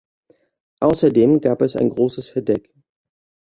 Außerdem gab es ein großes Verdeck.